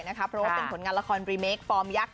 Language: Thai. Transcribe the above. เพราะว่าเป็นผลงานละครรีเมคฟอร์มยักษ์